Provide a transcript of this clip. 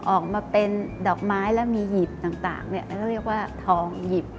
ออกมาเป็นดอกไม้แล้วมีหยิบต่างแล้วก็เรียกว่าทองหยิบ